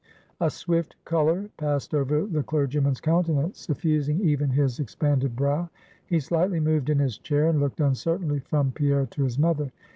A swift color passed over the clergyman's countenance, suffusing even his expanded brow; he slightly moved in his chair, and looked uncertainly from Pierre to his mother.